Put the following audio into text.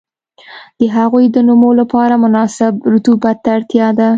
د هغوی د نمو لپاره مناسب رطوبت ته اړتیا ده.